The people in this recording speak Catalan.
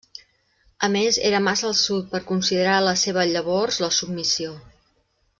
A més era massa al sud per considerar la seva llavors la submissió.